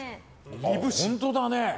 本当だね。